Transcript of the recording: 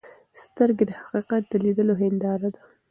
سترګې د حقیقت د لیدلو هنداره ده.